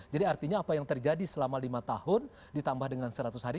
jadi artinya apa yang terjadi selama lima tahun ditambah dengan seratus hari